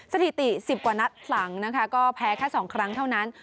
สถิติ๑๐กว่านัดหลังนะคะก็แพ้แค่๒ครั้งเท่านั้น